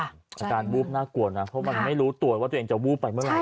อาการวูบน่ากวดนะเพราะมันทำให้รู้ตรวจว่าตัวเองจะวูบไปเมื่อไหร่